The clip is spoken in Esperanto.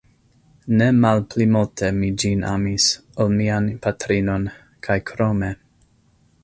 Ne malpli multe mi ĝin amis, ol mian patrinon, kaj krome.